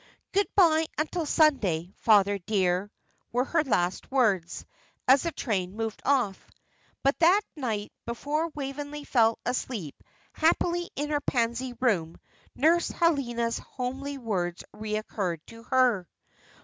"Good bye until Sunday, father, dear," were her last words, as the train moved off. But that night, before Waveney fell asleep happily in her Pansy Room, Nurse Helena's homely words recurred to her.